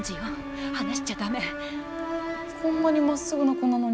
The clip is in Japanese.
こんなにまっすぐな子なのに。